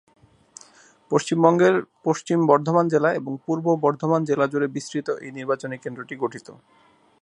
পশ্চিমবঙ্গের পশ্চিম বর্ধমান জেলা এবং পূর্ব বর্ধমান জেলা জুড়ে বিস্তৃত এই নির্বাচনী কেন্দ্রটি গঠিত।